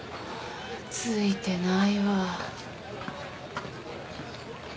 ついてないわ。